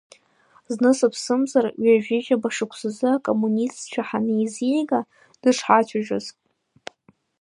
Зны, сыԥсымзар, ҩажәижәаба шықәсазы акоммунистцәа ҳанеизига дышҳацәажәаз.